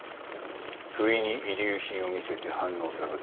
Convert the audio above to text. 不意に遺留品を見せて反応を探った。